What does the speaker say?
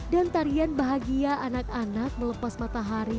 dan tarian bahagia anak anak melepas matahari